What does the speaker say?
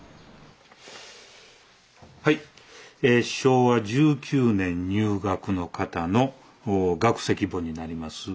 はいえ昭和１９年入学の方の学籍簿になります。